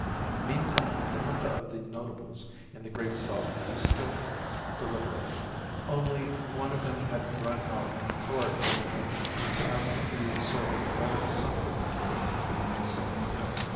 Meantime, the Junta of the Notables in the great sala was still deliberating; only, one of them had run out in the corredor to ask the servant whether something to eat couldn't be sent in.